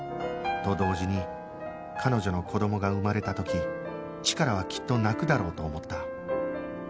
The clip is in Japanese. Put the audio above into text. と同時に彼女の子供が生まれた時チカラはきっと泣くだろうと思った